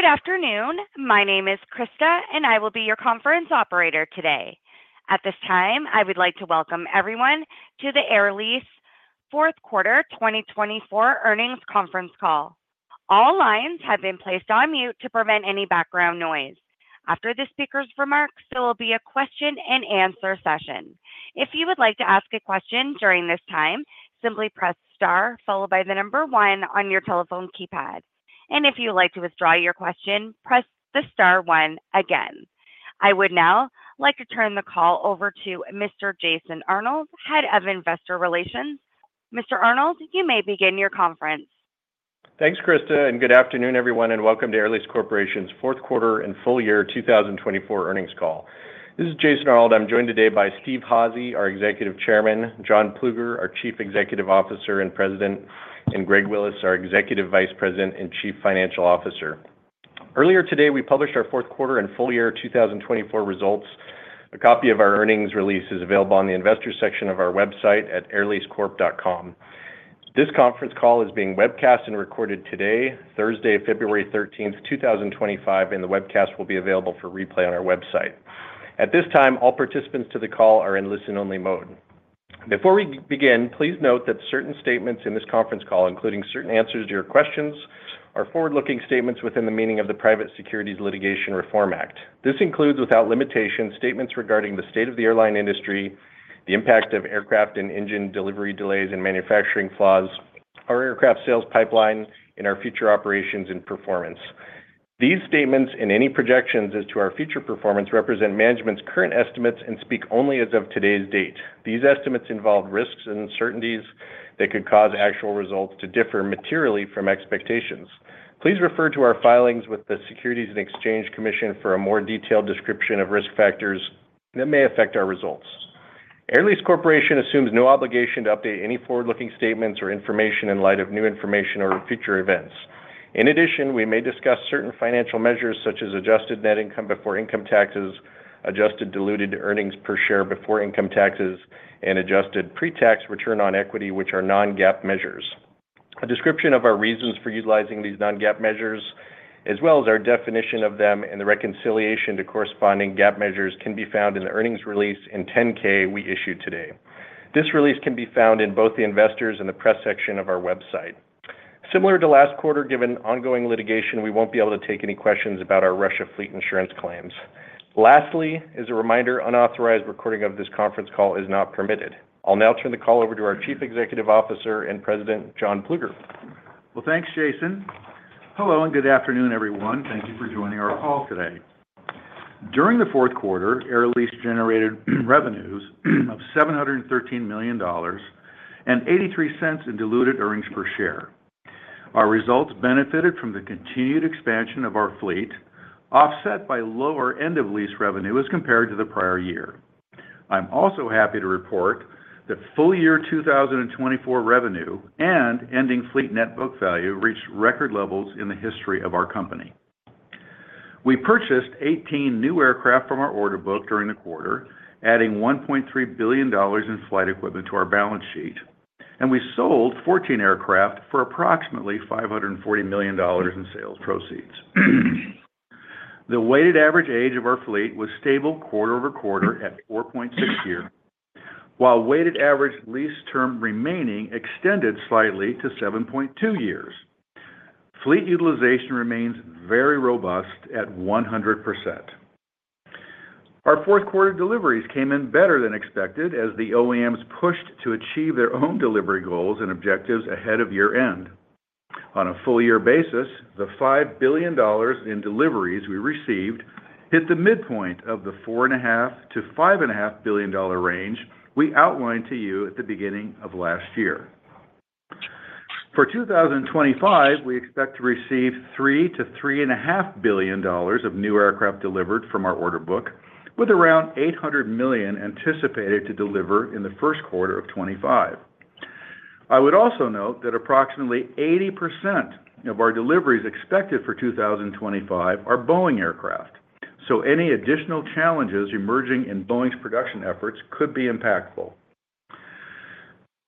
Good afternoon. My name is Krista, and I will be your conference operator today. At this time, I would like to welcome everyone to the Air Lease Q4 2024 earnings conference call. All lines have been placed on mute to prevent any background noise. After the speaker's remarks, there will be a question-and-answer session. If you would like to ask a question during this time, simply press star followed by the number one on your telephone keypad. And if you would like to withdraw your question, press the star one again. I would now like to turn the call over to Mr. Jason Arnold, Head of Investor Relations Mr. Arnold, you may begin your conference. Thanks, Krista, and good afternoon, everyone, and welcome to Air Lease Corporation's Q4 and full year 2024 earnings call. This is Jason Arnold. I'm joined today by Steven Házy, our Executive Chairman, John Plueger, our Chief Executive Officer and President, and Greg Willis, our Executive Vice President and Chief Financial Officer. Earlier today, we published our Q4 and full year 2024 results. A copy of our earnings release is available on the investor section of our website at airleasecorp.com. This conference call is being webcast and recorded today, Thursday, February 13, 2025, and the webcast will be available for replay on our website. At this time, all participants to the call are in listen-only mode. Before we begin, please note that certain statements in this conference call, including certain answers to your questions, are forward-looking statements within the meaning of the Private Securities Litigation Reform Act. This includes, without limitation, statements regarding the state of the airline industry, the impact of aircraft and engine delivery delays and manufacturing flaws, our aircraft sales pipeline, and our future operations and performance. These statements and any projections as to our future performance represent management's current estimates and speak only as of today's date. These estimates involve risks and uncertainties that could cause actual results to differ materially from expectations. Please refer to our filings with the Securities and Exchange Commission for a more detailed description of risk factors that may affect our results. Air Lease Corporation assumes no obligation to update any forward-looking statements or information in light of new information or future events. In addition, we may discuss certain financial measures such as adjusted net income before income taxes, adjusted diluted earnings per share before income taxes, and adjusted pre-tax return on equity, which are non-GAAP measures. A description of our reasons for utilizing these non-GAAP measures, as well as our definition of them and the reconciliation to corresponding GAAP measures, can be found in the earnings release and Form 10-K we issued today. This release can be found in both the investors' and the press section of our website. Similar to last quarter, given ongoing litigation, we won't be able to take any questions about our Russia fleet insurance claims. lastly, as a reminder, unauthorized recording of this conference call is not permitted. I'll now turn the call over to our Chief Executive Officer and President John Plueger. Thanks, Jason. Hello and good afternoon, everyone. Thank you for joining our call today. During the Q4, Air Lease generated revenues of $713 million and $0.83 in diluted earnings per share. Our results benefited from the continued expansion of our fleet, offset by lower end-of-lease revenue as compared to the prior year. I'm also happy to report that full year 2024 revenue and ending fleet net book value reached record levels in the history of our company. We purchased 18 new aircraft from our order book during the quarter, adding $1.3 billion in flight equipment to our balance sheet, and we sold 14 aircraft for approximately $540 million in sales proceeds. The weighted average age of our fleet was stable quarter-over-quarter at 4.6 years, while weighted average lease term remaining extended slightly to 7.2 years. Fleet utilization remains very robust at 100%. Our Q4 deliveries came in better than expected as the OEMs pushed to achieve their own delivery goals and objectives ahead of year-end. On a full year basis, the $5 billion in deliveries we received hit the midpoint of the $4.5-5.5 billion range we outlined to you at the beginning of last year. For 2025, we expect to receive $3-3.5 billion of new aircraft delivered from our order book, with around $800 million anticipated to deliver in the Q1 of 2025. I would also note that approximately 80% of our deliveries expected for 2025 are Boeing aircraft, so any additional challenges emerging in Boeing's production efforts could be impactful.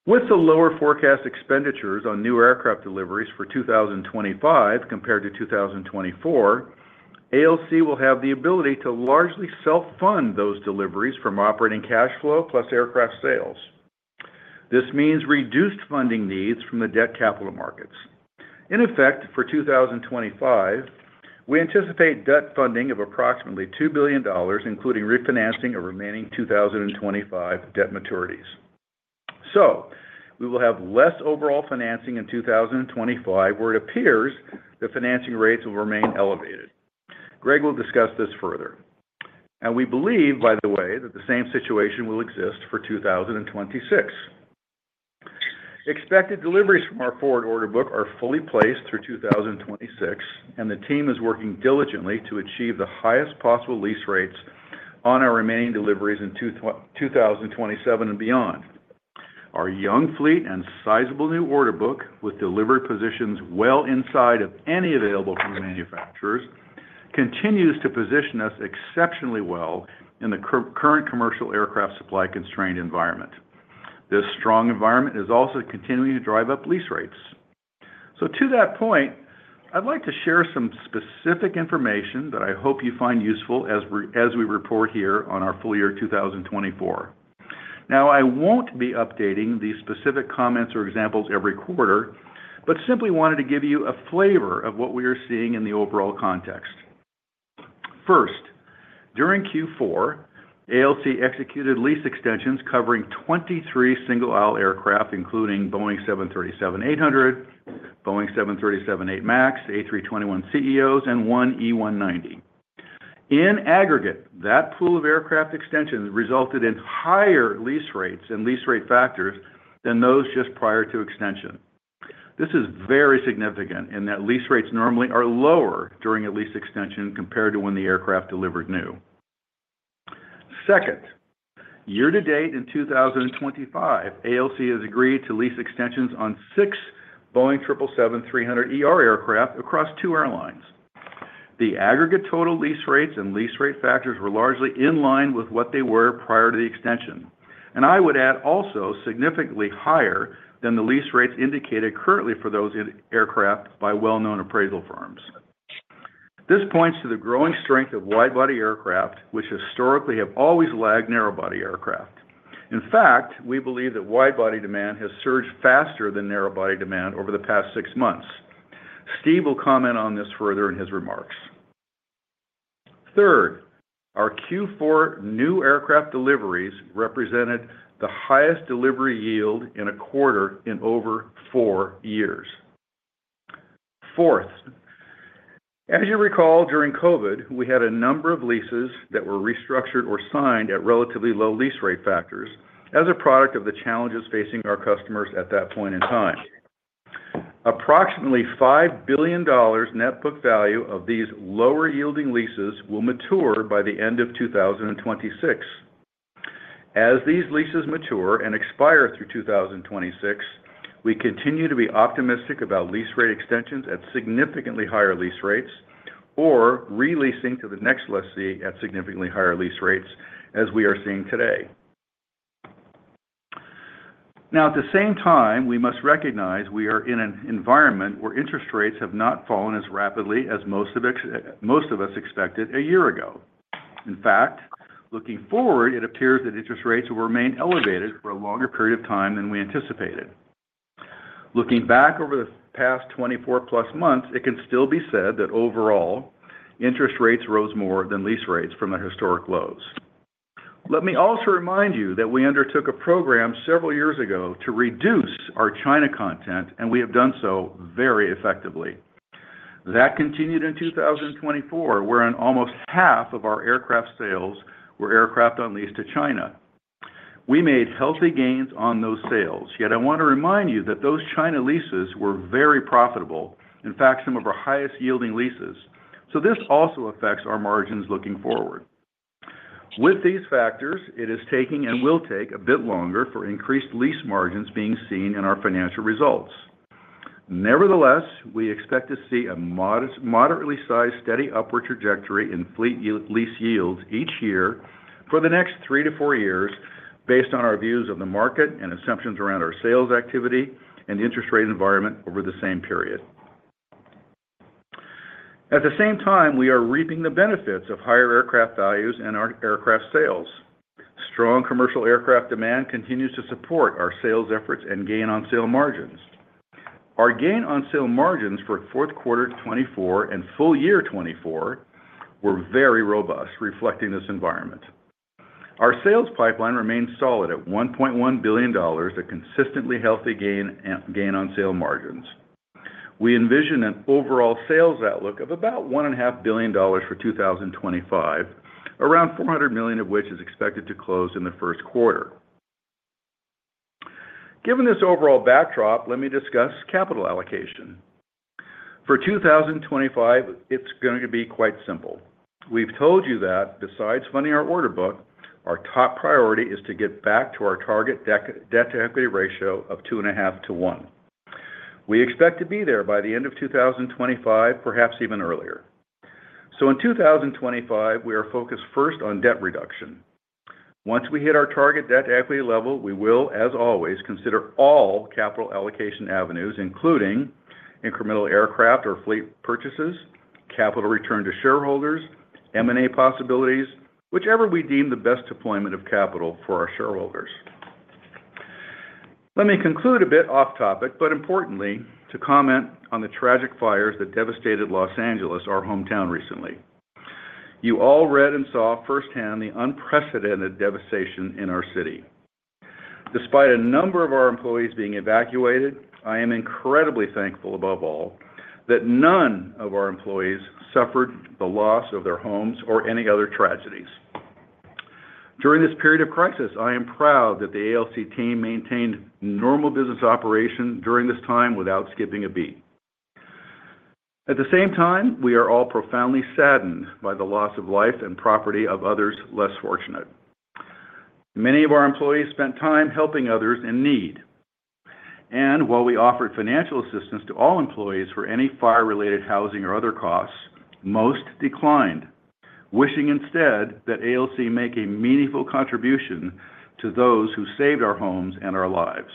With the lower forecast expenditures on new aircraft deliveries for 2025 compared to 2024, ALC will have the ability to largely self-fund those deliveries from operating cash flow plus aircraft sales. This means reduced funding needs from the debt capital markets. In effect, for 2025, we anticipate debt funding of approximately $2 billion, including refinancing of remaining 2025 debt maturities. So we will have less overall financing in 2025, where it appears the financing rates will remain elevated. Greg will discuss this further. And we believe, by the way, that the same situation will exist for 2026. Expected deliveries from our forward order book are fully placed through 2026, and the team is working diligently to achieve the highest possible lease rates on our remaining deliveries in 2027 and beyond. Our young fleet and sizable new order book, with delivery positions well inside of any available from the manufacturers, continues to position us exceptionally well in the current commercial aircraft supply constrained environment. This strong environment is also continuing to drive up lease rates. So to that point, I'd like to share some specific information that I hope you find useful as we report here on our full year 2024. Now, I won't be updating these specific comments or examples every quarter, but simply wanted to give you a flavor of what we are seeing in the overall context. First, during Q4, ALC executed lease extensions covering 23 single-aisle aircraft, including Boeing 737-800, Boeing 737-8 MAX, A321ceos, and one E190. In aggregate, that pool of aircraft extensions resulted in higher lease rates and lease rate factors than those just prior to extension. This is very significant in that lease rates normally are lower during a lease extension compared to when the aircraft delivered new. Second, year-to-date in 2025, ALC has agreed to lease extensions on six Boeing 777-300ER aircraft across two airlines. The aggregate total lease rates and lease rate factors were largely in line with what they were prior to the extension, and I would add also significantly higher than the lease rates indicated currently for those aircraft by well-known appraisal firms. This points to the growing strength of wide-body aircraft, which historically have always lagged narrow-body aircraft. In fact, we believe that wide-body demand has surged faster than narrow-body demand over the past six months. Steve will comment on this further in his remarks. Third, our Q4 new aircraft deliveries represented the highest delivery yield in a quarter in over four years. Fourth, as you recall, during COVID, we had a number of leases that were restructured or signed at relatively low lease rate factors as a product of the challenges facing our customers at that point in time. Approximately $5 billion net book value of these lower-yielding leases will mature by the end of 2026. As these leases mature and expire through 2026, we continue to be optimistic about lease rate extensions at significantly higher lease rates or re-leasing to the next lessee at significantly higher lease rates, as we are seeing today. Now, at the same time, we must recognize we are in an environment where interest rates have not fallen as rapidly as most of us expected a year ago. In fact, looking forward, it appears that interest rates will remain elevated for a longer period of time than we anticipated. Looking back over the past, it can still be said that overall, interest rates rose more than lease rates from their historic lows. Let me also remind you that we undertook a program several years ago to reduce our China content, and we have done so very effectively. That continued in 2024, where almost half of our aircraft sales were aircraft leased to China. We made healthy gains on those sales. Yet I want to remind you that those China leases were very profitable, in fact, some of our highest-yielding leases. So this also affects our margins looking forward. With these factors, it is taking and will take a bit longer for increased lease margins being seen in our financial results. Nevertheless, we expect to see a moderately sized steady upward trajectory in fleet lease yields each year for the next three to four years, based on our views of the market and assumptions around our sales activity and interest rate environment over the same period. At the same time, we are reaping the benefits of higher aircraft values and our aircraft sales. Strong commercial aircraft demand continues to support our sales efforts and gain on sale margins. Our gain on sale margins for Q4 2024 and full year 2024 were very robust, reflecting this environment. Our sales pipeline remains solid at $1.1 billion, a consistently healthy gain on sale margins. We envision an overall sales outlook of about $1.5 billion for 2025, around $400 million of which is expected to close in the Q1. Given this overall backdrop, let me discuss capital allocation. For 2025, it's going to be quite simple. We've told you that besides funding our order book, our top priority is to get back to our target debt-to-equity ratio of 2.5 to 1. We expect to be there by the end of 2025, perhaps even earlier. So in 2025, we are focused first on debt reduction. Once we hit our target debt-to-equity level, we will, as always, consider all capital allocation avenues, including incremental aircraft or fleet purchases, capital return to shareholders, M&A possibilities, whichever we deem the best deployment of capital for our shareholders. Let me conclude a bit off topic, but importantly, to comment on the tragic fires that devastated Los Angeles, our hometown, recently. You all read and saw firsthand the unprecedented devastation in our city. Despite a number of our employees being evacuated, I am incredibly thankful above all that none of our employees suffered the loss of their homes or any other tragedies. During this period of crisis, I am proud that the ALC team maintained normal business operation during this time without skipping a beat. At the same time, we are all profoundly saddened by the loss of life and property of others less fortunate. Many of our employees spent time helping others in need. And while we offered financial assistance to all employees for any fire-related housing or other costs, most declined, wishing instead that ALC make a meaningful contribution to those who saved our homes and our lives.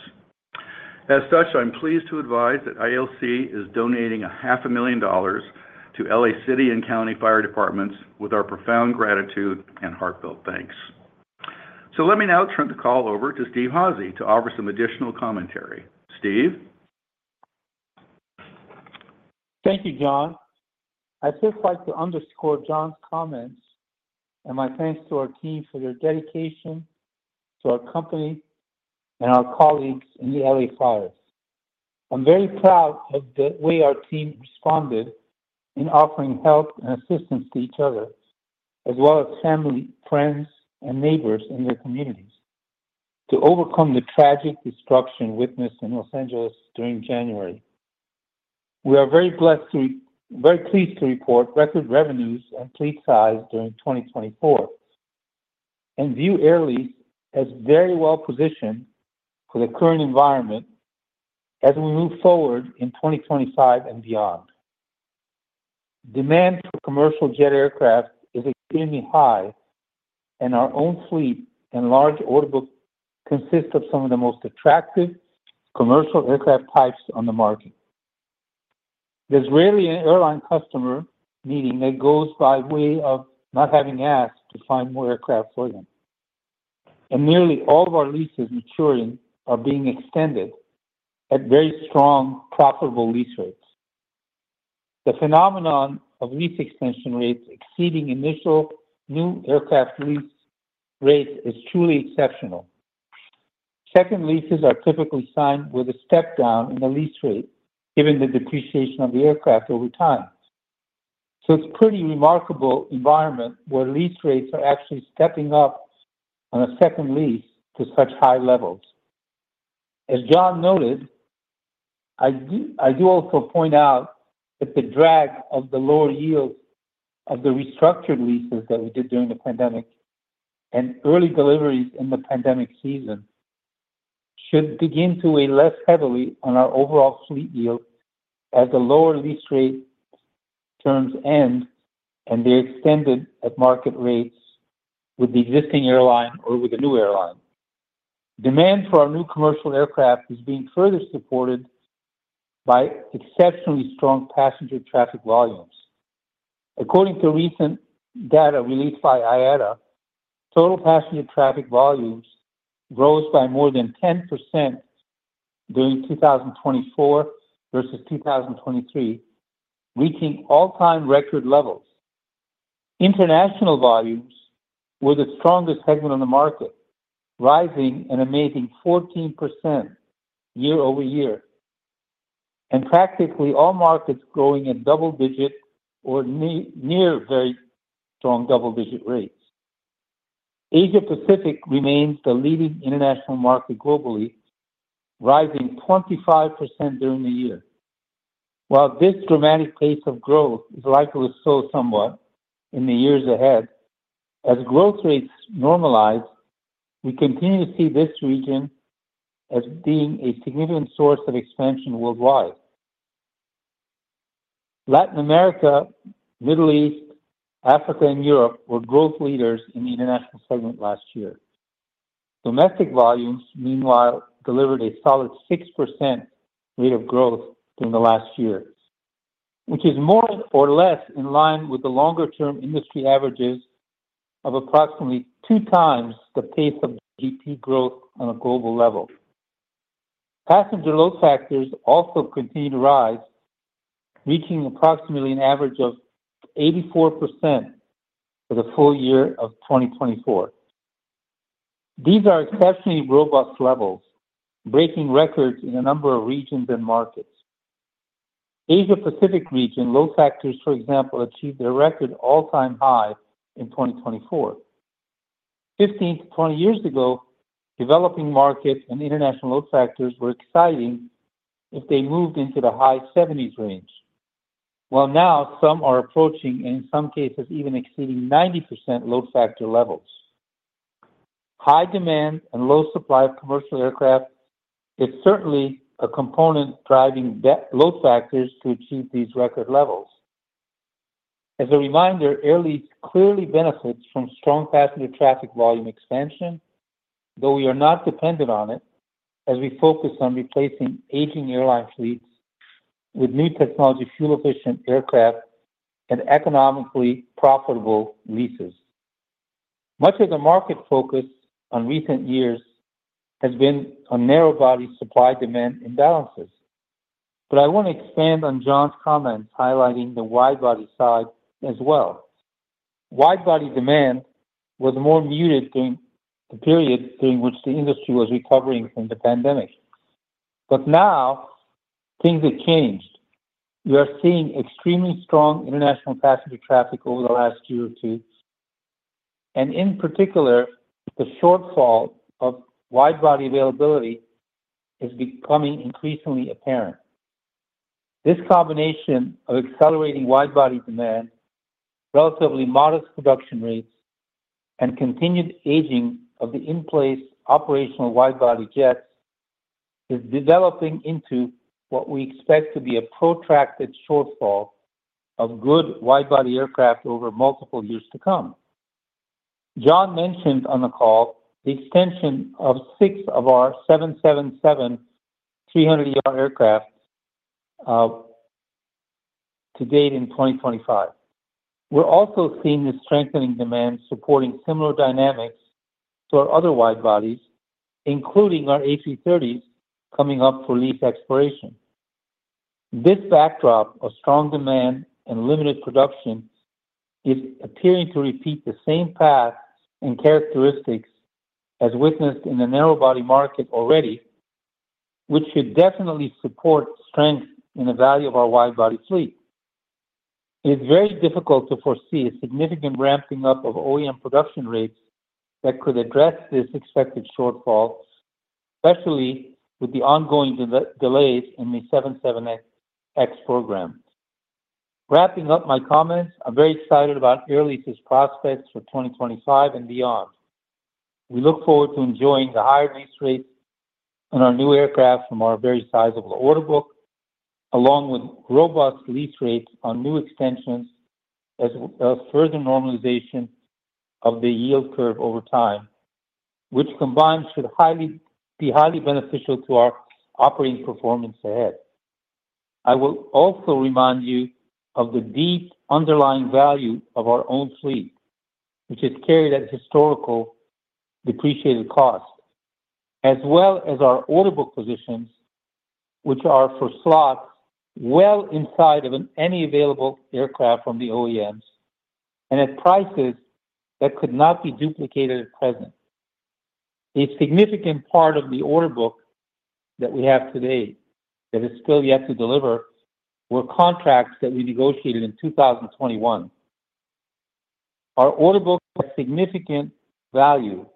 As such, I'm pleased to advise that ALC is donating $500,000 to L.A. City and County Fire Departments with our profound gratitude and heartfelt thanks. So let me now turn the call over to Steve Hazy to offer some additional commentary. Steve? Thank you, John. I'd just like to underscore John's comments and my thanks to our team for their dedication to our company and our colleagues in the L.A. fires. I'm very proud of the way our team responded in offering help and assistance to each other, as well as family, friends, and neighbors in their communities, to overcome the tragic destruction witnessed in Los Angeles during January. We are very pleased to report record revenues and fleet size during 2024, and view Air Lease as very well positioned for the current environment as we move forward in 2025 and beyond. Demand for commercial jet aircraft is extremely high, and our own fleet and large order book consist of some of the most attractive commercial aircraft types on the market. There's rarely an airline customer meeting that goes by way of not having asked to find more aircraft for them. Nearly all of our leases maturing are being extended at very strong, profitable lease rates. The phenomenon of lease extension rates exceeding initial new aircraft lease rates is truly exceptional. Second leases are typically signed with a step down in the lease rate, given the depreciation of the aircraft over time. It's a pretty remarkable environment where lease rates are actually stepping up on a second lease to such high levels. As John noted, I do also point out that the drag of the lower yields of the restructured leases that we did during the pandemic and early deliveries in the pandemic season should begin to weigh less heavily on our overall fleet yield as the lower lease rate terms end and they're extended at market rates with the existing airline or with a new airline. Demand for our new commercial aircraft is being further supported by exceptionally strong passenger traffic volumes. According to recent data released by IATA, total passenger traffic volumes rose by more than 10% during 2024 versus 2023, reaching all-time record levels. International volumes were the strongest segment on the market, rising an amazing 14% year-over-year, and practically all markets growing at double-digit or near very strong double-digit rates. Asia-Pacific remains the leading international market globally, rising 25% during the year. While this dramatic pace of growth is likely to slow somewhat in the years ahead, as growth rates normalize, we continue to see this region as being a significant source of expansion worldwide. Latin America, Middle East, Africa, and Europe were growth leaders in the international segment last year. Domestic volumes, meanwhile, delivered a solid 6% rate of growth during the last year, which is more or less in line with the longer-term industry averages of approximately two times the pace of GDP growth on a global level. Passenger load factors also continue to rise, reaching approximately an average of 84% for the full year of 2024. These are exceptionally robust levels, breaking records in a number of regions and markets. Asia-Pacific region load factors, for example, achieved a record all-time high in 2024. 15-20 years ago, developing markets and international load factors were exciting if they moved into the high 70s range, while now some are approaching and in some cases even exceeding 90% load factor levels. High demand and low supply of commercial aircraft is certainly a component driving load factors to achieve these record levels. As a reminder, Air Lease clearly benefits from strong passenger traffic volume expansion, though we are not dependent on it as we focus onreplacingg aging airline fleets with new technology fuel-efficient aircraft and economically profitable leases. Much of the market focus on recent years has been on narrow-body supply demand imbalances but I want to expand on John's comments highlighting the wide-body side as well. Wide-body demand was more muted during the period during which the industry was recovering from the pandemic. But now things have changed. You are seeing extremely strong international passenger traffic over the lastyear or two, and inparticular, the shortfall of wide-body availability is becoming increasingly apparent. This combination of accelerating wide-body demand, relativelyy modest production rates, and continued aging of thein-place operational wide-body jets is developing into what we expect to be a protracted shortfall of good wide-body aircraft over multiple years to come. John mentioned on the call the extension of six of our 777-300ER aircraft to date in 2025. We're also seeing the strengthening demand supporting similar dynamics to our other wide bodies, including our A330s coming up for lease expiration. This backdrop of strong demand and limited production is appearing to repeat the same path and characteristics as witnessed in the narrow-body market already, which should definitely support strength in the value of our wide-body fleet. It is very difficult to foresee a significant ramping up of OEM production rates that could address this expected shortfall, especially with the ongoing delays in the 777X program. Wrapping up my comments, I'm very excited about Air Lease's prospects for 2025 and beyond. We look forward to enjoying the higher lease rates on our new aircraft from our very sizable order book, along with robust lease rates on new extensions as well as further normalization of the yield curve over time, which combined should be highly beneficial to our operating performance ahead. I will also remind you of the deep underlying value of our own fleet, which is carried at historical depreciated cost, as well as our order book positions, which are for slots well inside of any available aircraft from the OEMs and at prices that could not be duplicated at present. A significant part of the order book that we have today that is still yet to deliver were contracts that we negotiated in 2021.Our order book has significant value,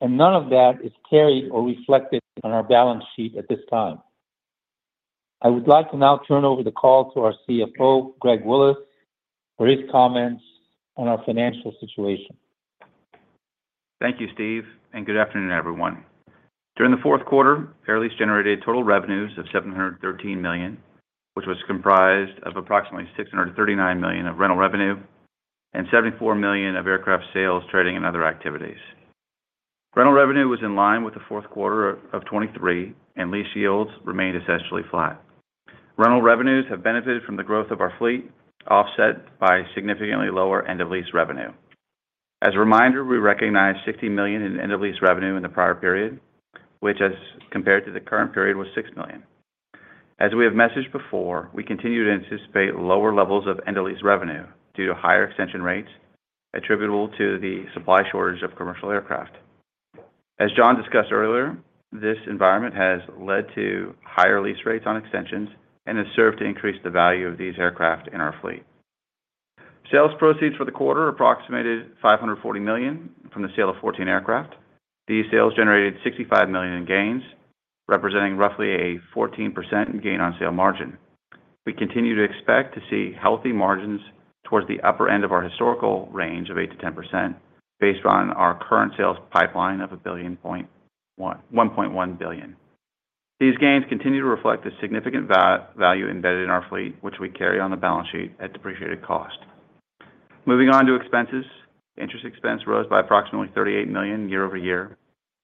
and none of that is carried or reflected on our balance sheet at this time. I would like to now turn over the call to our CFO, Greg Willis, for his comments on our financial situation. Thank you, Steve, and good afternoon, everyone. During the Q4, Air Lease generated total revenues of $713 million, which was comprised of approximately $639 million of rental revenue and $74 million of aircraft sales, trading, and other activities. Rental revenue was in line with the Q4 of 2023, and lease yields remained essentially flat Rental revenues have benefited from the growth of our fleet, offset by significantly lower end-of-lease revenue. As a reminder, we recognize $60 million in end-of-lease revenue in the prior period, which, as compared to the current period, was $6 million. As we have messaged before, we continue to anticipate lower levels of end-of-lease revenue due to higher extension rates attributable to the supply shortage of commercial aircraft. As John discussed earlier, this environment has led to higher lease rates on extensions and has served to increase the value of these aircraft in our fleet. Sales proceeds for the quarter approximated $540 million from the sale of 14 aircraft. These sales generated $65 million in gains, representing roughly a 14% gain on sale margin. We continue to expect to see healthy margins towards the upper end of our historical range of 8%-10%, based on our current sales pipeline of $1.1 billion. These gains continue to reflect the significant value embedded in our fleet, which we carry on the balance sheet at depreciated cost. Moving on to expenses, interest expense rose by approximately $38 million year-over-year,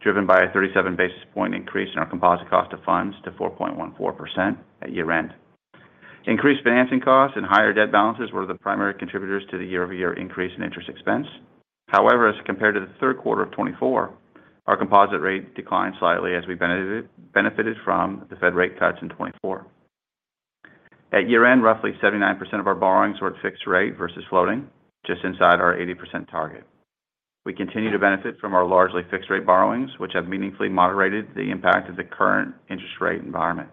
driven by a 37 basis point increase in our composite cost of funds to 4.14% at year-end. Increased financing costs and higher debt balances were the primary contributors to the year-over-year increase in interest expense. However, as compared to the Q3 of 2024, our composite rate declined slightly as we benefited from the Fed rate cuts in 2024. At year-end, roughly 79% of our borrowings were at fixed rate versus floating, just inside our 80% target. We continue to benefit from our largely fixed-rate borrowings, which have meaningfully moderated the impact of the current interest rate environment.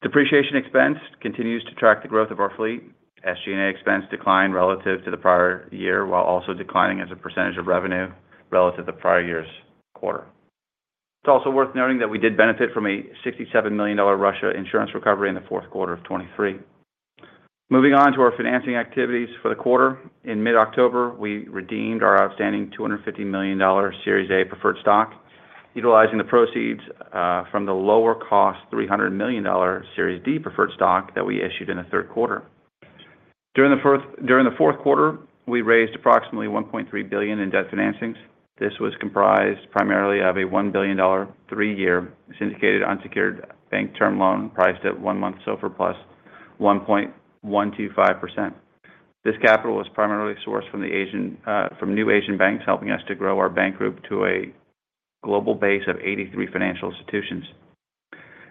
Depreciation expense continues to track the growth of our fleet. SG&A expense declined relative to the prior year, while also declining as a percentage of revenue relative to the prior year's quarter. It's also worth noting that we did benefit from a $67 million Russia insurance recovery in the Q4 of 2023. Moving on to our financing activities for the quarter, in mid-October, we redeemed our outstanding $250 million Series A preferred stock, utilizing the proceeds from the lower-cost $300 million Series D preferred stock that we issued in the Q3. During the Q4, we raised approximately $1.3 billion in debt financings. This was comprised primarily of a $1 billion three-year syndicated unsecured bank term loan priced at one-month SOFR plus 1.125%. This capital was primarily sourced from new Asian banks, helping us to grow our bank group to a global base of 83 financial institutions.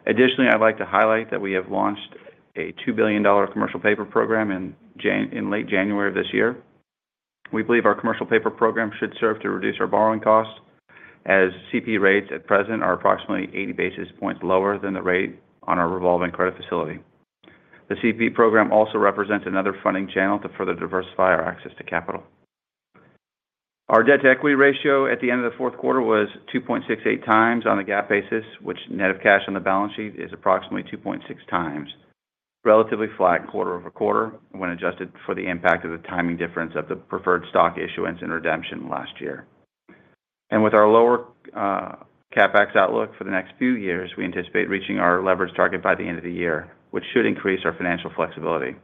Additionally, I'd like to highlight that we have launched a $2 billion commercial paper program in late January of this year. We believe our commercial paper program should serve to reduce our borrowing costs, as CP rates at present are approximately 80 basis points lower than the rate on our revolving credit facility. The CP program also represents another funding channel to further diversify our access to capital. Our debt-to-equity ratio at the end of the Q4 was 2.68 times on the GAAP basis, which net of cash on the balance sheet is approximately 2.6 times, relatively flat quarter-over-quarter when adjusted for the impact of the timing difference of the preferred stock issuance and redemption last year, and with our lower CapEx outlook for the next few years, we anticipate reaching our leverage target by the end of the year, which should increase our financial flexibility.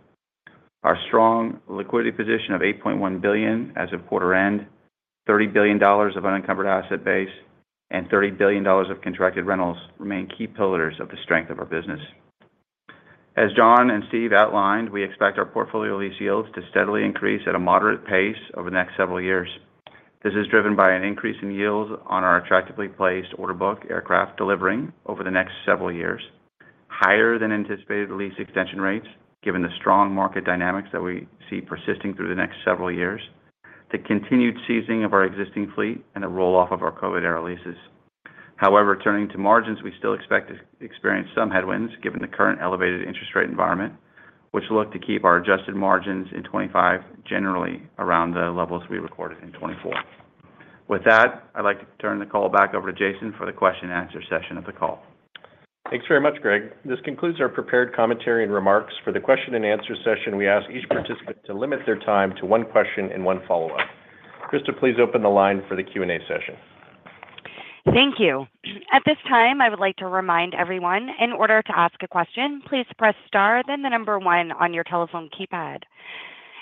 Our strong liquidity position of $8.1 billion as of quarter end, $30 billion of unencumbered asset base, and $30 billion of contracted rentals remain key pillars of the strength of our business. As John and Steve outlined, we expect our portfolio lease yields to steadily increase at a moderate pace over the next several years. This is driven by an increase in yields on our attractively placed order book aircraft delivering over the next several years, higher than anticipated lease extension rates, given the strong market dynamics that we see persisting through the next several years, the continued leasing of our existing fleet, and the roll-off of our COVID-era leases. However, turning to margins, we still expect to experience some headwinds given the current elevated interest rate environment, which looks to keep our adjusted margins in 2025 generally around the levels we recorded in 2024. With that, I'd like to turn the call back over to Jason for the question-and-answer session of the call. Thanks very much, Greg. This concludes our prepared commentary and remarks. For the question-and-answer session, we ask each participant to limit their time to one question and one follow-up. Krista, please open the line for the Q&A session. Thank you. At this time, I would like to remind everyone, in order to ask a question, please press star, then the number one on your telephone keypad.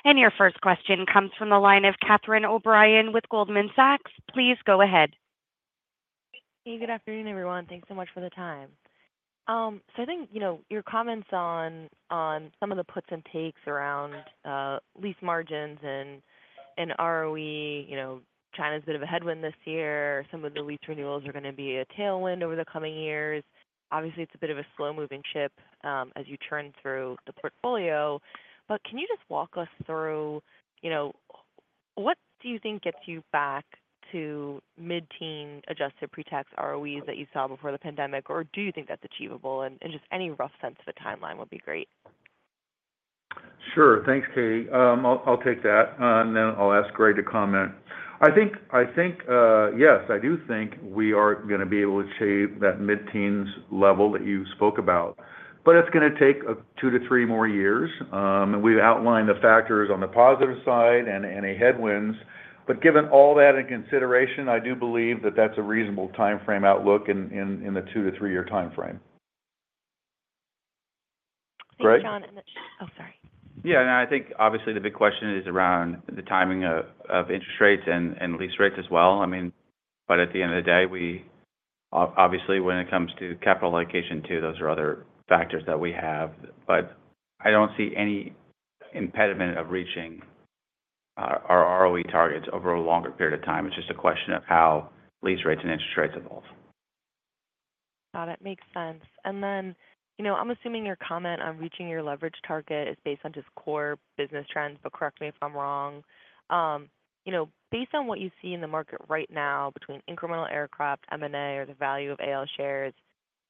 Your first question comes from the line of Catherine O'Brien with Goldman Sachs. Please go ahead. Hey, good afternoon, everyone. Thanks so much for the time. So I think your comments on some of the puts and takes around lease margins and ROE, China's been a bit of a headwind this year. Some of the lease renewals are going to be a tailwind over the coming years. Obviously, it's a bit of a slow-moving ship as you churn through the portfolio. But can you just walk us through what do you think gets you back to mid-teen adjusted pre-tax ROEs that you saw before the pandemic? Or do you think that's achievable? And just any rough sense of a timeline would be great. Sure. Thanks, Katie. I'll take that, and then I'll ask Greg to comment. I think, yes, I do think we are going to be able to achieve that mid-teens level that you spoke about. But it's going to take two to three more years. And we've outlined the factors on the positive side and any headwinds. But given all that in consideration, I do believe that that's a reasonable timeframe outlook in the two to three-year timeframe. Thank you, John. Oh, sorry. Yeah. And I think, obviously, the big question is around the timing of interest rates and lease rates as well. I mean, but at the end of the day, obviously, when it comes to capital allocation, too, those are other factors that we have. But I don't see any impediment of reaching our ROE targets over a longer period of time. It's just a question of how lease rates and interest rates evolve. Got it. Makes sense. And then I'm assuming your comment on reaching your leverage target is based on just core business trends, but correct me if I'm wrong. Based on what you see in the market right now between incremental aircraft, M&A, or the value of AL shares,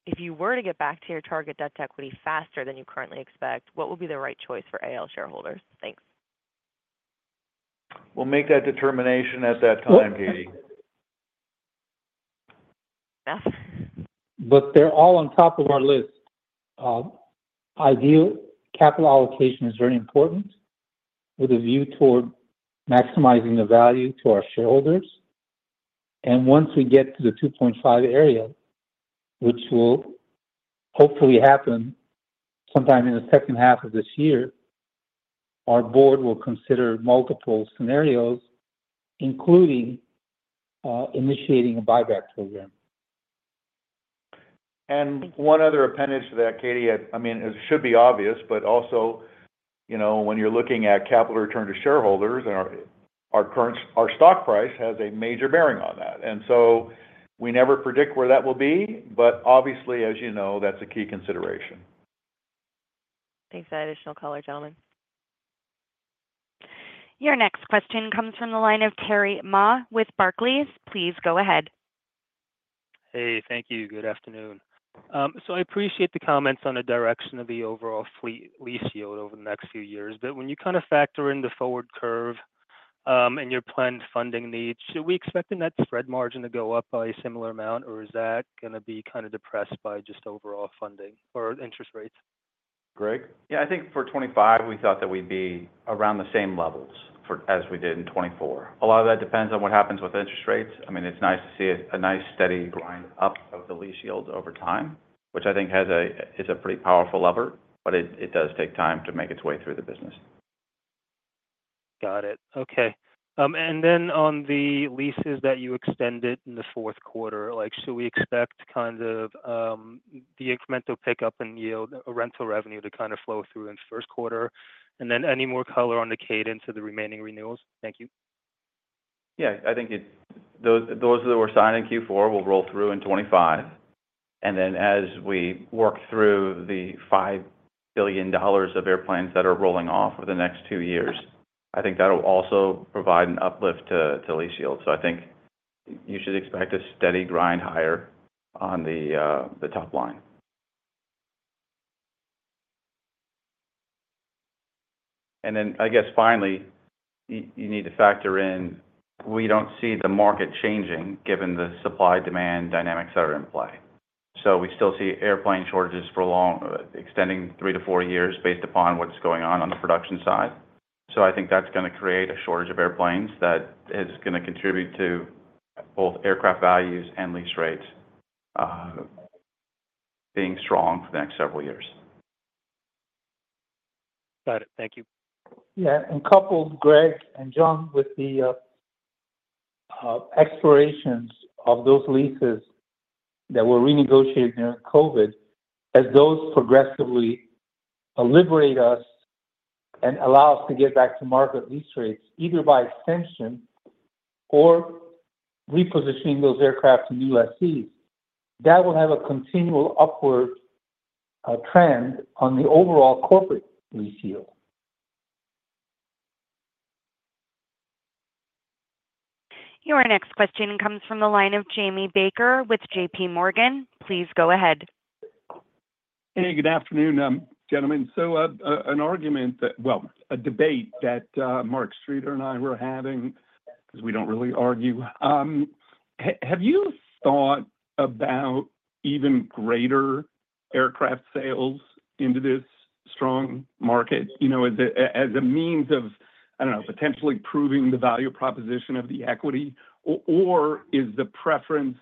if you were to get back to your target debt to equity faster than you currently expect, what would be the right choice for AL shareholders? Thanks. We'll make that determination at that time, Katie. They're all on top of our list. Ideal capital allocation is very important with a view toward maximizing the value to our shareholders. Once we get to the 2.5 area, which will hopefully happen sometime in the second half of this year, our board will consider multiple scenarios, including initiating a buyback program. One other appendage to that, Katie, I mean, it should be obvious, but also when you're looking at capital return to shareholders, our stock price has a major bearing on that. So we never predict where that will be, but obviously, as you know, that's a key consideration. Thanks for that additional color, gentlemen. Your next question comes from the line of Terry Ma with Barclays. Please go ahead. Hey, thank you. Good afternoon. So I appreciate the comments on the direction of the overall fleet lease yield over the next few years. But when you kind of factor in the forward curve and yourplanned funding needs, should we expect the net spread margin to go up bya similar amount, or is that going to be kind of depressed by just overall funding or interest rates? Greg? Yeah, I think for 2025, we thought that we'd be around the same levels as we did in 2024. A lot of that depends on what happens with interest rates. I mean, it's nice to see a nice steady grind up of the lease yields over time, which I think is a pretty powerful lever, but it does take time to make its way through the business. Got it. Okay. And then on the leases that you extended in the Q4, should we expect kind of the incremental pickup in rental revenue to kind of flow through in the Q1? And then any more color on the cadence of the remaining renewals? Thank you. Yeah. I think those that were signed in Q4 will roll through in 2025. And then as we work through the $5 billion of airplanes that are rolling off over the next two years, I think that'll also provide an uplift to lease yields. So I think you should expect a steady grind higher on the top line. And then, I guess, finally, you need to factor in we don't see the market changing given the supply-demand dynamics that are in play. So we still see airplane shortages for a long extending three-to-four years based upon what's going on on the production side. So I think that's going to create a shortage of airplanes that is going to contribute to both aircraft values and lease rates being strong for the next several years. Got it. Thank you. Yeah, and coupled, Greg and John, with the expirations of those leases that were renegotiated during COVID, as those progressively liberate us and allow us to get back to market lease rates, either by extension or repositioning those aircraft in U.S. carriers, that will have a continual upward trend on the overall corporate lease yield. Your next question comes from the line of Jamie Baker with J.P. Morgan. Please go ahead. Hey, good afternoon, gentlemen. So an argument that, well, a debate that Mark Streeter and I were having, because we don't really argue, have you thought about even greater aircraft sales into this strong market as a means of, I don't know, potentially proving the value proposition of the equity, or is the preference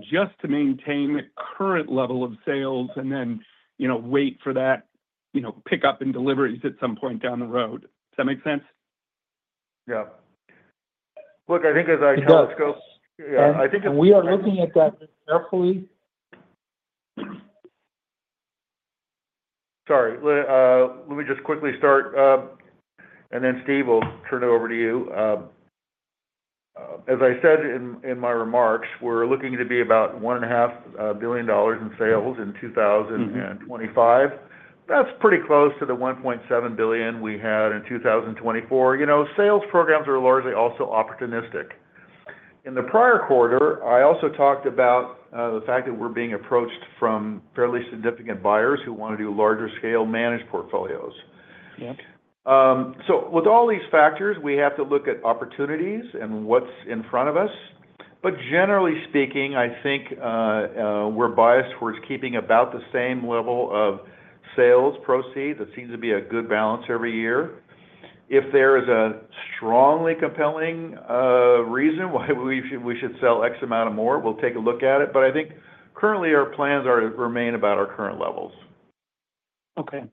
just to maintain the current level of sales and then wait for that pickup and deliveries at some point down the road? Does that make sense? Yeah. Look, I think as I tell this go. We are looking at that carefully. Sorry. Let me just quickly start, and then Steve, we'll turn it over to you. As I said in my remarks, we're looking to be about $1.5 billion in sales in 2025. That's pretty close to the $1.7 billion we had in 2024. Sales programs are largely also opportunistic. In the prior quarter, I also talked about the fact that we're being approached from fairly significant buyers who want to do larger-scale managed portfolios. So with all these factors, we have to look at opportunities and what's in front of us. But generally speaking, I think we're biased towards keeping about the same level of sales proceeds. It seems to be a good balance every year. If there is a strongly compelling reason why we should sell X amount or more, we'll take a look at it. But I think currently our plans are to remain about our current levels. Okay.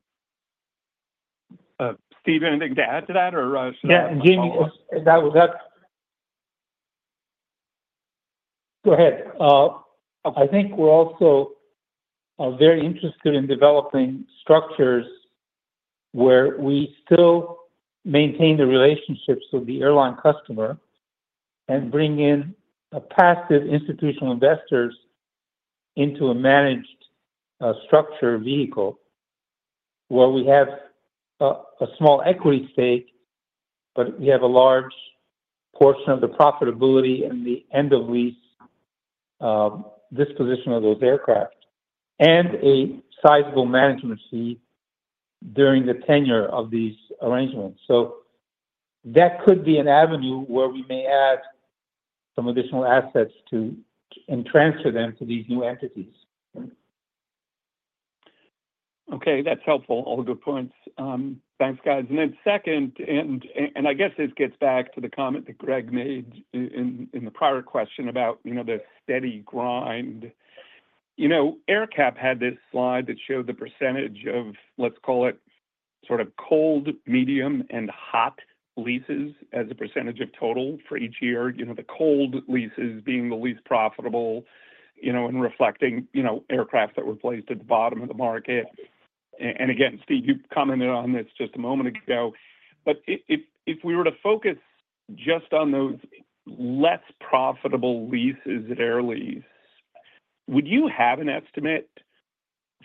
Steve, anything to add to that, or should I? Yeah, and Jamie, that was. Go ahead. I think we're also very interested in developing structures where we still maintain the relationships with the airline customer and bring in passive institutional investors into a managed structure vehicle where we have a small equity stake, but we have a large portion of the profitability and the end-of-lease disposition of those aircraft and a sizable management fee during the tenure of these arrangements. So that could be an avenue where we may add some additional assets and transfer them to these new entities. Okay. That's helpful. All good points. Thanks, guys. And then second, and I guess this gets back to the comment that Greg made in the prior question about the steady grind. AerCap had this slide that showed the percentage of, let's call it, sort of cold, medium, and hot leases as a percentage of total for each year, the cold leases being the least profitable and reflecting aircraft that were placed at the bottom of the market. And again, Steve, you commented on this just a moment ago. But if we were to focus just on those less profitable leases at Air Lease, would you have an estimate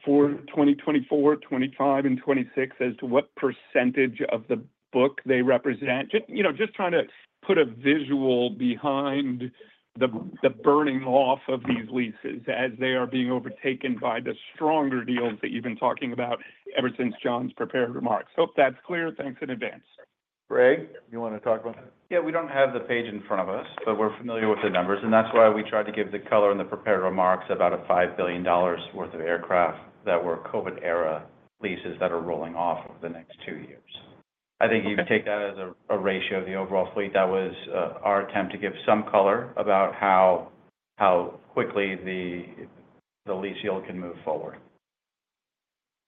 for 2024, 2025, and 2026 as to what percentage of the book they represent? Just trying to put a visual behind the burning off of these leases as they are being overtaken by the stronger deals that you've been talking about ever since John's prepared remarks. Hope that's clear. Thanks in advance. Greg, you want to talk about that? Yeah. We don't have the page in front of us, but we're familiar with the numbers. And that's why we tried to give the color in the prepared remarks about a $5 billion worth of aircraft that were COVID-era leases that are rolling off over the next two years. I think you can take that as a ratio of the overall fleet. That was our attempt to give some color about how quickly the lease yield can move forward.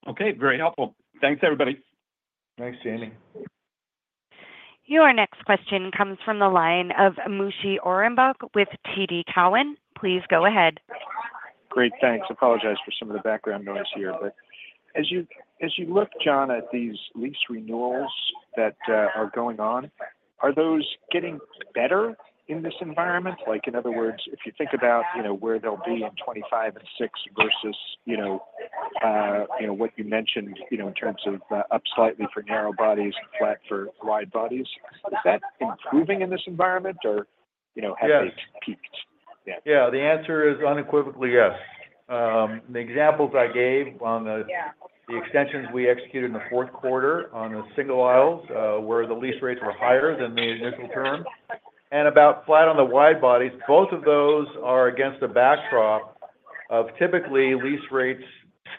Okay. Very helpful. Thanks, everybody. Thanks, Jamie. Your next question comes from the line of Moshe Orenbuch with TD Cowen. Please go ahead. Great. Thanks. Apologize for some of the background noise here. But as you look, John, at these lease renewals that are going on, are those getting better in this environment? In other words, if you think about where they'll be in 2025 and 2026 versus what you mentioned in terms of up slightly for narrow bodies and flat for wide bodies, is that improving in this environment, or have they peaked? Yeah. The answer is unequivocally yes. The examples I gave on the extensions we executed in the Q4 on the single aisles where the lease rates were higher than the initial term, and about flat on the wide bodies, both of those are against the backdrop of typically lease rates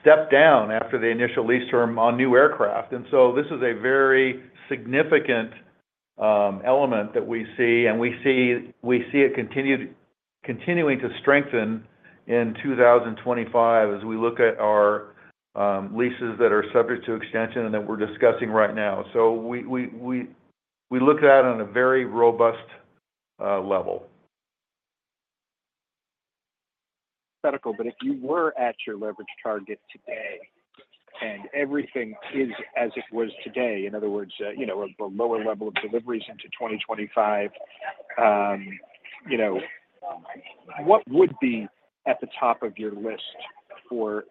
step down after the initial lease term on new aircraft. This is a very significant element that we see, and we see it continuing to strengthen in 2025 as we look at our leases that are subject to extension and that we're discussing right now. We look at that on a very robust level. But if you were at your leverage target today and everything is as it was today, in other words, a lower level of deliveries into 2025, what would be at the top of your list for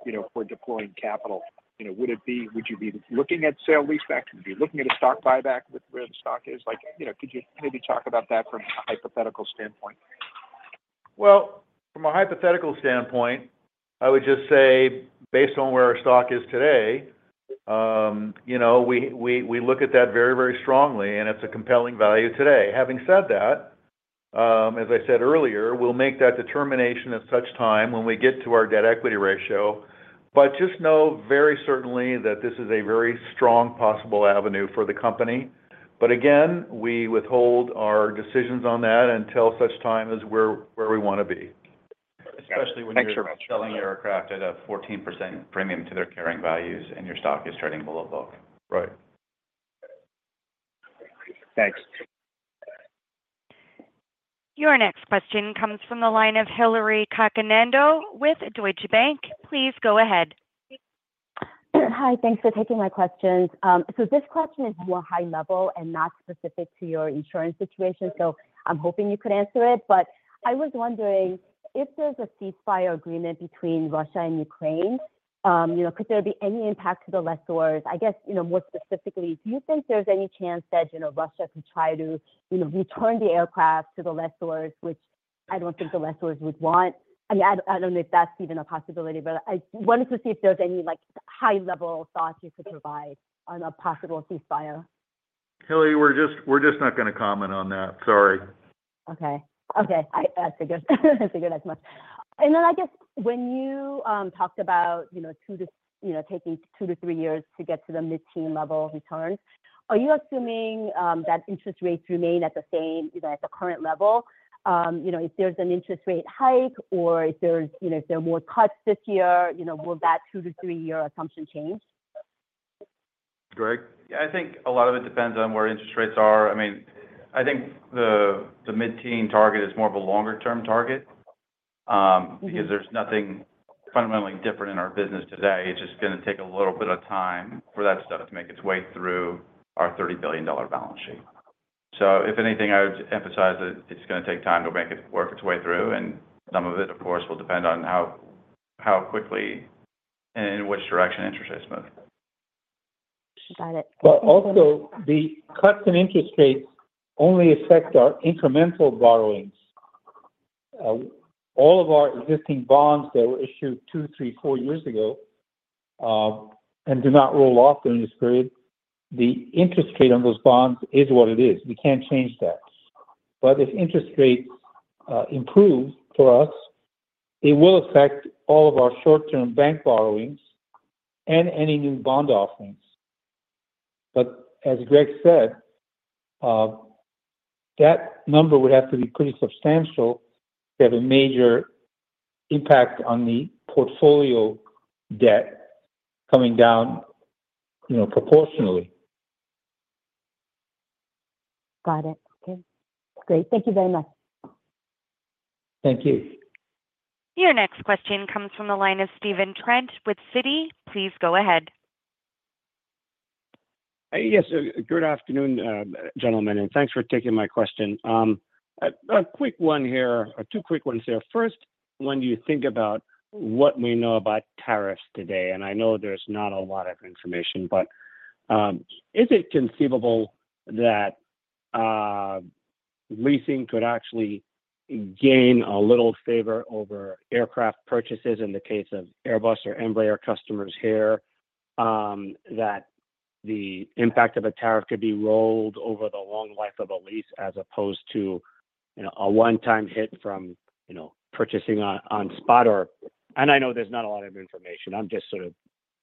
deploying capital? Would it be? Would you be looking at sale-leaseback? Would you be looking at a stock buyback with where the stock is? Could you maybe talk about that from a hypothetical standpoint? From a hypothetical standpoint, I would just say, based on where our stock is today, we look at that very, very strongly, and it's a compelling value today. Having said that, as I said earlier, we'll make that determination at such time when we get to our debt equity ratio, but just know very certainly that this is a very strong possible avenue for the company. But again, we withhold our decisions on that until such time as where we want to be. Especially when you're selling your aircraft at a 14% premium to their carrying values and your stock is trading below book. Right. Thanks. Your next question comes from the line of Hillary Cacanando with Deutsche Bank. Please go ahead. Hi. Thanks for taking my questions. So this question is more high-level and not specific to your insurance situation, so I'm hoping you could answer it. But I was wondering if there's a ceasefire agreement between Russia and Ukraine, could there be any impact to the lessors? I guess more specifically, do you think there's any chance that Russia could try to return the aircraft to the lessors, which I don't think the lessors would want? I mean, I don't know if that's even a possibility, but I wanted to see if there's any high-level thoughts you could provide on a possible ceasefire. Hillary, we're just not going to comment on that. Sorry. Okay. Okay. I figured as much. And then I guess when you talked about taking two to three years to get to the mid-teen level returns, are you assuming that interest rates remain at the same at the current level? If there's an interest rate hike or if there are more cuts this year, will that two to three-year assumption change? Greg? Yeah. I think a lot of it depends on where interest rates are. I mean, I think the mid-teen target is more of a longer-term target because there's nothing fundamentally different in our business today. It's just going to take a little bit of time for that stuff to make its way through our $30 billion balance sheet, so if anything, I would emphasize that it's going to take time to make it work its way through, and some of it, of course, will depend on how quickly and in which direction interest rates move. Got it. But also, the cuts in interest rates only affect our incremental borrowings. All of our existing bonds that were issued two, three, four years ago and do not roll off during this period, the interest rate on those bonds is what it is. We can't change that. But if interest rates improve for us, it will affect all of our short-term bank borrowings and any new bond offerings. But as Greg said, that number would have to be pretty substantial to have a major impact on the portfolio debt coming down proportionally. Got it. Okay. Great. Thank you very much. Thank you. Your next question comes from the line of Stephen Trent with Citi. Please go ahead. Yes. Good afternoon, gentlemen, and thanks for taking my question. A quick one here, two quick ones here. First, when you think about what we know about tariffs today, and I know there's not a lot of information, but is it conceivable that leasing could actually gain a little favor over aircraft purchases in the case of Airbus or Embraer customers here, that the impact of a tariff could be rolled over the long life of a lease as opposed to a one-time hit from purchasing on spot? And I know there's not a lot of information. I'm just sort of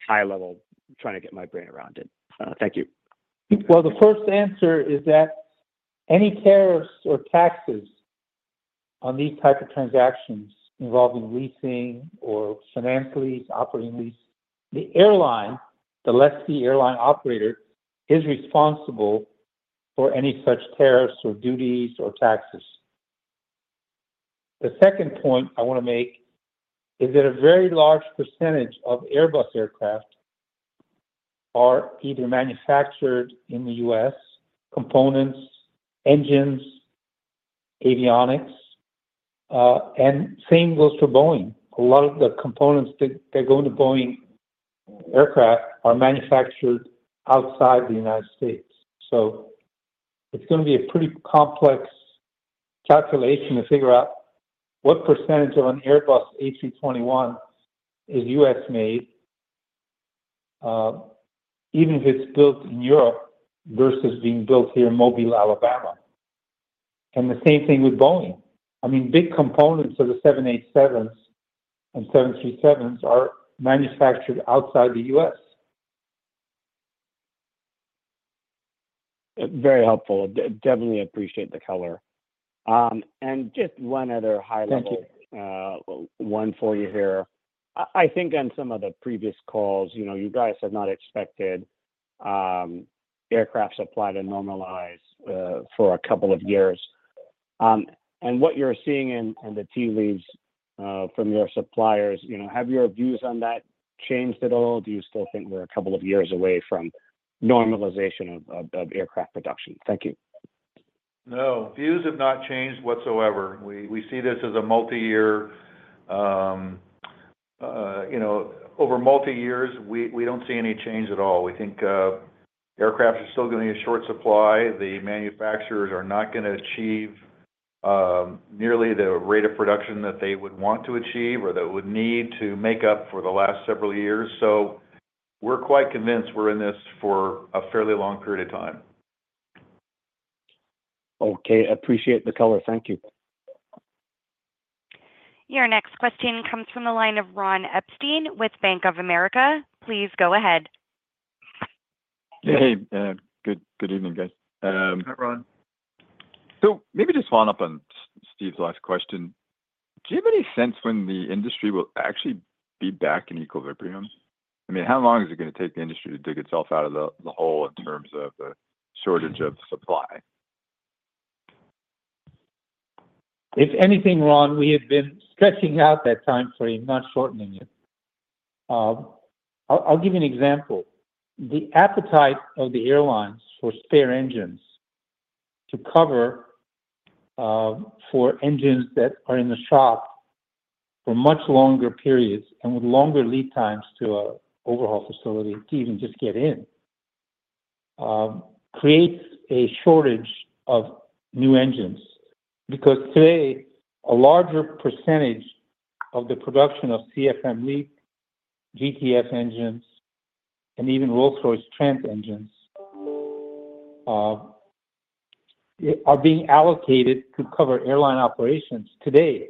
high-level trying to get my brain around it. Thank you. The first answer is that any tariffs or taxes on these types of transactions involving leasing or finance lease, operating lease, the airline, the lessee airline operator, is responsible for any such tariffs or duties or taxes. The second point I want to make is that a very large percentage of Airbus aircraft are either manufactured in the U.S.: components, engines, avionics, and the same goes for Boeing. A lot of the components that go into Boeing aircraft are manufactured outside the United States, so it's going to be a pretty complex calculation to figure out what percentage of an Airbus A321 is U.S.-made, even if it's built in Europe versus being built here in Mobile, Alabama, and the same thing with Boeing. I mean, big components of the 787s and 737s are manufactured outside the U.S. Very helpful. Definitely appreciate the color, and just one other highlight. Thank you. One for you here. I think on some of the previous calls, you guys have not expected aircraft supply to normalize for a couple of years. And what you're seeing in the tea leaves from your suppliers, have your views on that changed at all? Do you still think we're a couple of years away from normalization of aircraft production? Thank you. No. Views have not changed whatsoever. We see this as a multi-year over multi-years. We don't see any change at all. We think aircraft are still going to be in short supply. The manufacturers are not going to achieve nearly the rate of production that they would want to achieve or that would need to make up for the last several years. So we're quite convinced we're in this for a fairly long period of time. Okay. Appreciate the color. Thank you. Your next question comes from the line of Ron Epstein with Bank of America. Please go ahead. Hey. Good evening, guys. Hi, Ron. So maybe just following up on Steve's last question, do you have any sense when the industry will actually be back in equilibrium? I mean, how long is it going to take the industry to dig itself out of the hole in terms of the shortage of supply? If anything, Ron, we have been stretching out that time frame, not shortening it. I'll give you an example. The appetite of the airlines for spare engines to cover for engines that are in the shop for much longer periods and with longer lead times to an overhaul facility to even just get in creates a shortage of new engines. Because today, a larger percentage of the production of CFM LEAP, GTF engines, and even Rolls-Royce Trent engines are being allocated to cover airline operations today,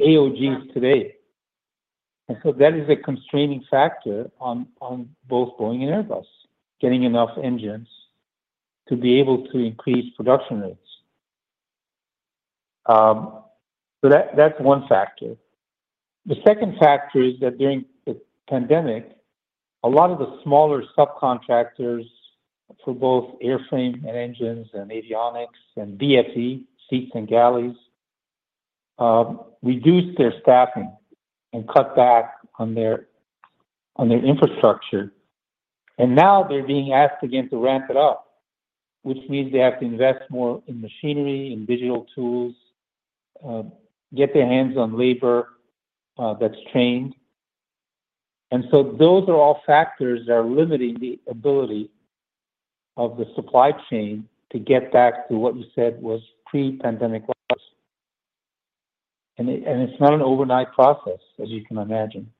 AOGs today. And so that is a constraining factor on both Boeing and Airbus getting enough engines to be able to increase production rates. So that's one factor. The second factor is that during the pandemic, a lot of the smaller subcontractors for both airframe and engines and avionics and BFE, seats and galleys, reduced their staffing and cut back on their infrastructure. And now they're being asked again to ramp it up, which means they have to invest more in machinery, in digital tools, get their hands on labor that's trained. And so those are all factors that are limiting the ability of the supply chain to get back to what you said was pre-pandemic levels. And it's not an overnight process, as you can imagine.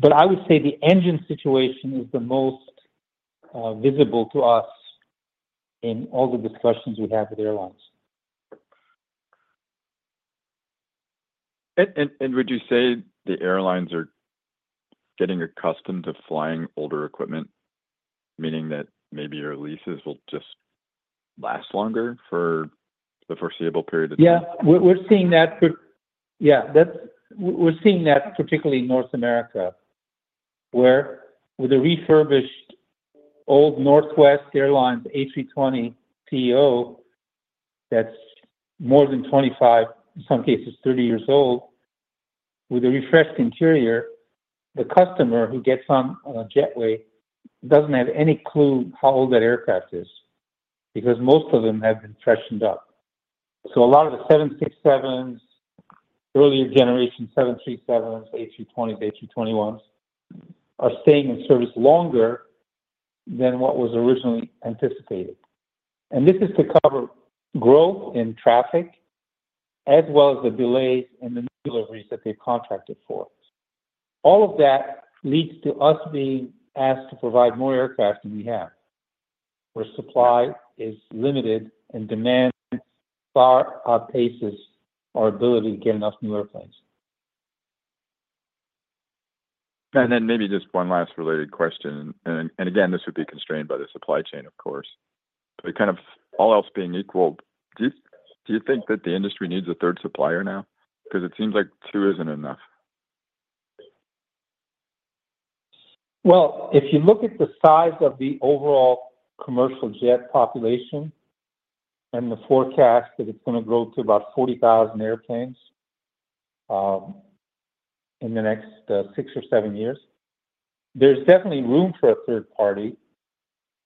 But I would say the engine situation is the most visible to us in all the discussions we have with airlines. Would you say the airlines are getting accustomed to flying older equipment, meaning that maybe your leases will just last longer for the foreseeable period of time? Yeah. We're seeing that. Yeah. We're seeing that particularly in North America where with a refurbished old Northwest Airlines A320ceo that's more than 25, in some cases 30 years old, with a refreshed interior, the customer who gets on a jetway doesn't have any clue how old that aircraft is because most of them have been freshened up. So a lot of the 767s, earlier generation 737s, A320s, A321s are staying in service longer than what was originally anticipated. And this is to cover growth in traffic as well as the delays in the deliveries that they've contracted for. All of that leads to us being asked to provide more aircraft than we have where supply is limited and demand far outpaces our ability to get enough new airplanes. And then maybe just one last related question. And again, this would be constrained by the supply chain, of course. But kind of all else being equal, do you think that the industry needs a third supplier now? Because it seems like two isn't enough. If you look at the size of the overall commercial jet population and the forecast that it's going to grow to about 40,000 airplanes in the next six or seven years, there's definitely room for a third party.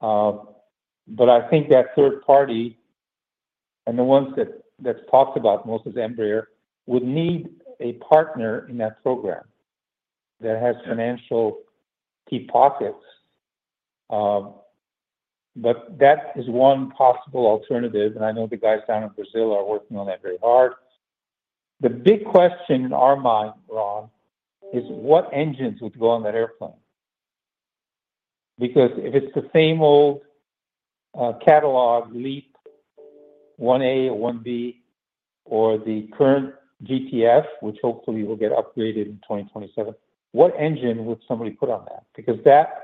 I think that third party and the ones that's talked about most is Embraer, would need a partner in that program that has financial deep pockets. That is one possible alternative. I know the guys down in Brazil are working on that very hard. The big question in our mind, Ron, is what engines would go on that airplane? Because if it's the same old catalog, LEAP-1A or 1B, or the current GTF, which hopefully will get upgraded in 2027, what engine would somebody put on that? Because that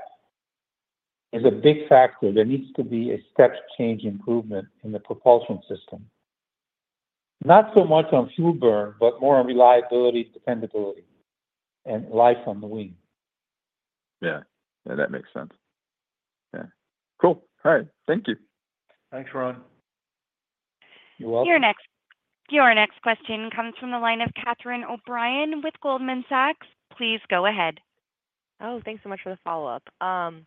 is a big factor. There needs to be a step change improvement in the propulsion system. Not so much on fuel burn, but more on reliability, dependability, and life on the wing. Yeah. Yeah. That makes sense. Yeah. Cool. All right. Thank you. Thanks, Ron. You're welcome. Your next question comes from the line of Catherine O'Brien with Goldman Sachs. Please go ahead. Oh, thanks so much for the follow-up. I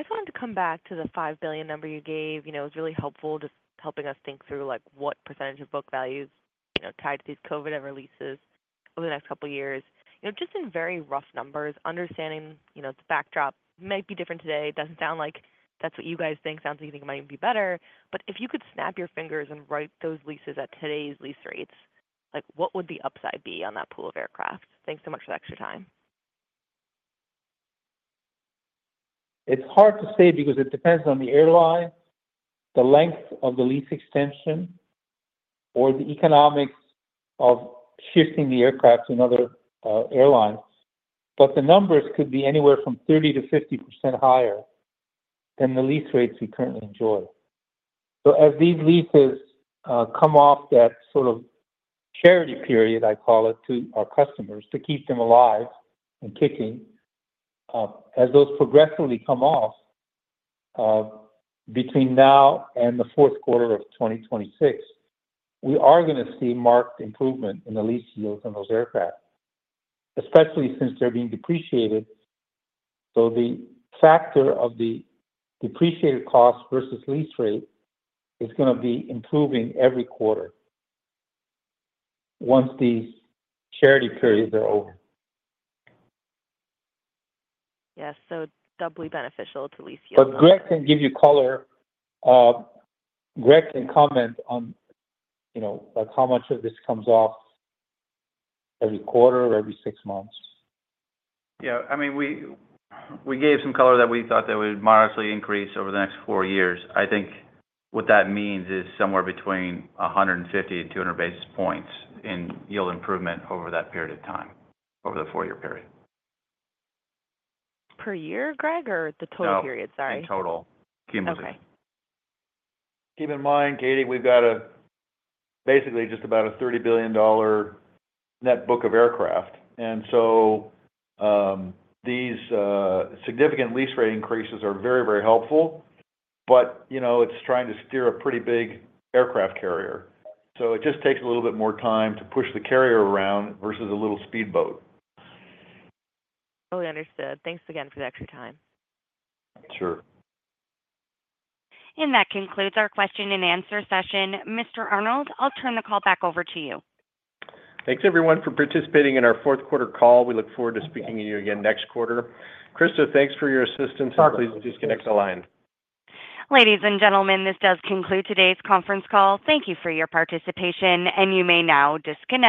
just wanted to come back to the $5 billion number you gave. It was really helpful just helping us think through what percentage of book values tied to these COVID-era leases over the next couple of years. Just in very rough numbers, understanding the backdrop might be different today. It doesn't sound like that's what you guys think. Sounds like you think it might be better. But if you could snap your fingers and write those leases at today's lease rates, what would the upside be on that pool of aircraft? Thanks so much for the extra time. It's hard to say because it depends on the airline, the length of the lease extension, or the economics of shifting the aircraft to another airline. But the numbers could be anywhere from 30%-50% higher than the lease rates we currently enjoy. So as these leases come off that sort of charity period, I call it, to our customers to keep them alive and kicking, as those progressively come off between now and the Q4 of 2026, we are going to see marked improvement in the lease yields on those aircraft, especially since they're being depreciated. So the factor of the depreciated cost versus lease rate is going to be improving every quarter once these charity periods are over. Yes, so doubly beneficial to lease yields. But Greg can give you color. Greg can comment on how much of this comes off every quarter or every six months. Yeah. I mean, we gave some color that we thought that would modestly increase over the next four years. I think what that means is somewhere between 150 and 200 basis points in yield improvement over that period of time, over the four-year period. Per year, Greg, or the total period? Sorry. No. The total. Keep in mind, Katie, we've got basically just about a $30 billion net book of aircraft. And so these significant lease rate increases are very, very helpful, but it's trying to steer a pretty big aircraft carrier. So it just takes a little bit more time to push the carrier around versus a little speedboat. Totally understood. Thanks again for the extra time. Sure. And that concludes our question and answer session. Mr. Arnold, I'll turn the call back over to you. Thanks, everyone, for participating in our Q4 call. We look forward to speaking to you again next quarter. Krista, thanks for your assistance, and please disconnect the line. ladies and gentlemen, this does conclude today's conference call. Thank you for your participation, and you may now disconnect.